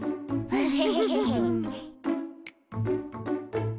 フフフフ。